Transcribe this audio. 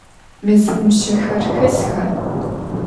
Mezım mışsexer xesxa?